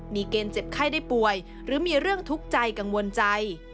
มีเกณฑ์เจ็บไข้ได้ป่วยหรือมีเรื่องทุกข์ใจกังวลใจ